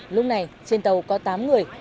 lúc này trên tàu có tám người